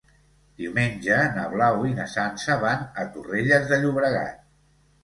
Diumenge na Blau i na Sança van a Torrelles de Llobregat.